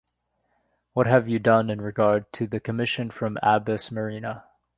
What have you done in regard to the commission from Abbess Marina?